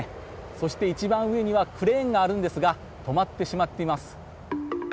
そして一番上にはクレーンがあるんですが止まってしまっています。